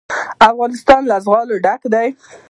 افغانستان له زغال ډک دی.